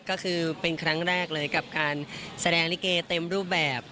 ก็คือเป็นครั้งแรกเลยกับการแสดงลิเกเต็มรูปแบบ